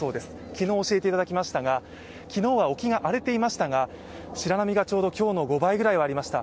昨日教えていただきましたが、昨日は沖が荒れていましたが白波がちょうど今日の５倍ぐらいはありました。